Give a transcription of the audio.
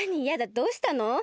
やだどうしたの？